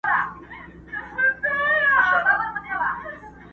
o کونه خداى رانه کړه، په نيره ما سورۍ نه کړه!